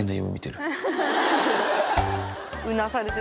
うなされてる。